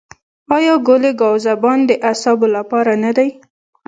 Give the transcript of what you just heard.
آیا ګل ګاو زبان د اعصابو لپاره نه دی؟